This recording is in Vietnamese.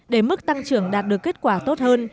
để mức tăng trưởng đạt được kết quả tốt hơn